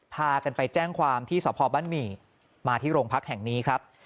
พากันไปแจ้งความที่สพบ้านหมี่มาที่โรงพักแห่งนี้ครับ